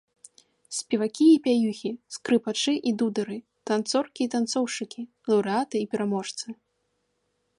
Спевакі і пяюхі, скрыпачы і дудары, танцоркі і танцоўшчыкі, лаўрэаты і пераможцы!